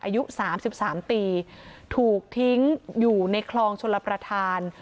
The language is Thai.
อายุ๓๓ปีถูกทิ้งอยู่ในคลองชลประธาน